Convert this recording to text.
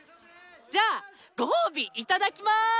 じゃあご褒美いただきます！